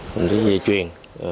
những dây chuyền